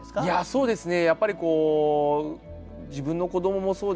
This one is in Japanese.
そうですね。